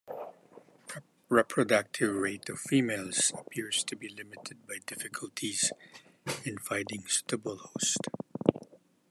Reproductive rate of females appears to be limited by difficulties in finding suitable hosts.